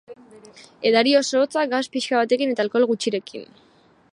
Edari oso hotzak, gas pixka batekin eta alkohol gutxirekin.